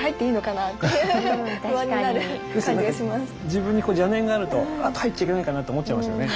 自分に邪念があるとあっ入っちゃいけないかなと思っちゃいますよね。